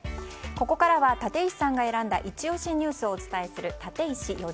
ここからは立石さんが選んだイチ推しニュースをお伝えする